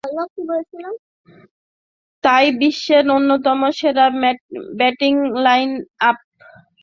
তাই বিশ্বের অন্যতম সেরা ব্যাটিং লাইন-আপ ভারতের বিপক্ষে টসে জেতাটা ছিল গুরুত্বপূর্ণ।